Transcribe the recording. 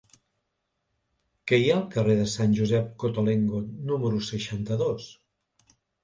Què hi ha al carrer de Sant Josep Cottolengo número seixanta-dos?